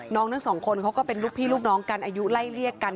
ทั้งสองคนเขาก็เป็นลูกพี่ลูกน้องกันอายุไล่เรียกกัน